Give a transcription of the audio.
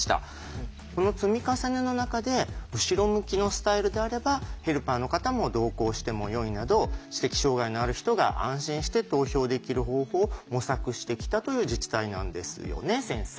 この積み重ねの中で後ろ向きのスタイルであればヘルパーの方も同行してもよいなど知的障害のある人が安心して投票できる方法を模索してきたという自治体なんですよね先生。